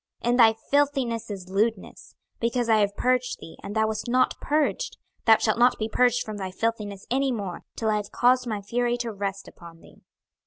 26:024:013 In thy filthiness is lewdness: because I have purged thee, and thou wast not purged, thou shalt not be purged from thy filthiness any more, till I have caused my fury to rest upon thee.